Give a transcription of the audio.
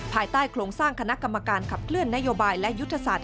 ภายใต้โครงสร้างคณะกรรมการขับเคลื่อนนโยบายและยุทธศาสต